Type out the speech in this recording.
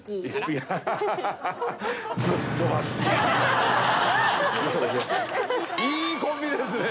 いいコンビですね。